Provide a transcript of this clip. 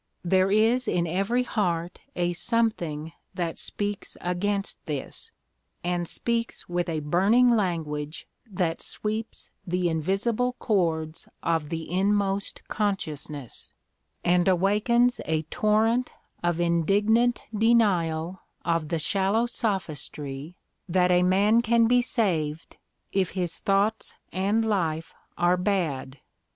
There is in every heart a something that speaks against this, and speaks with a burning language that sweeps the invisible chords of the inmost consciousness, and awakens a torrent of indignant denial of the shallow sophistry that a man can be saved if his thoughts and life are bad.